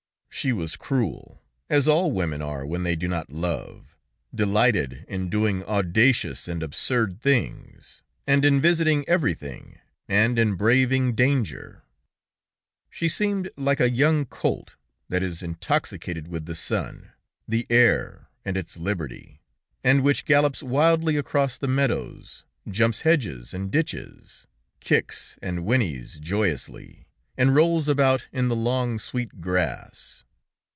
She was cruel, as all women are when they do not love, delighted in doing audacious and absurd things, and in visiting everything, and in braving danger. She seemed like a young colt, that is intoxicated with the sun, the air and its liberty, and which gallops wildly across the meadows, jumps hedges and ditches, kicks, and whinnies joyously, and rolls about in the long, sweet grass.